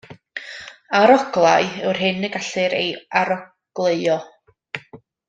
Aroglau yw'r hyn y gellir ei arogleuo.